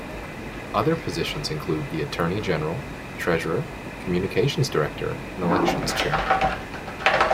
Other positions include the Attorney General, Treasurer, Communications Director, and Elections Chair.